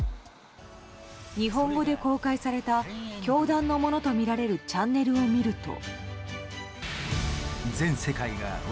日本語で公開された教団のものとみられるチャンネルを見ると。